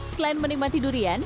selain menikmati durian